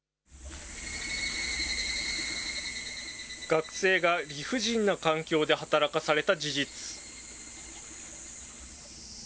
学生が理不尽な環境で働かされた事実。